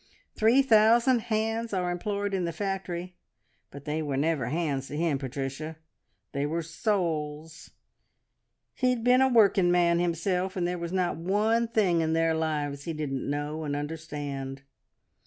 Three thousand `hands' are employed in the factory, but they were never `hands' to him, Patricia, they were souls! He'd been a working man himself, and there was not one thing in their lives he didn't know and understand.